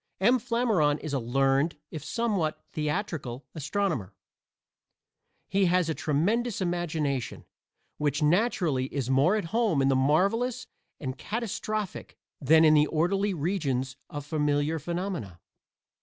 M. Flammarion is a learned, if somewhat theatrical, astronomer. He has a tremendous imagination, which naturally is more at home in the marvelous and catastrophic than in the orderly regions of familiar phenomena.